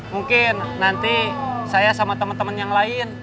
mungkin nanti saya sama temen temen yang lain